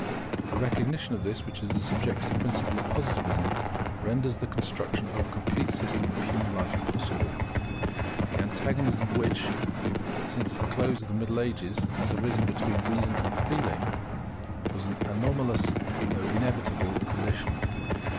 The recognition of this, which is the subjective principle of Positivism, renders the construction of a complete system of human life possible. The antagonism which, since the close of the Middle Ages, has arisen between Reason and Feeling, was an anomalous though inevitable condition.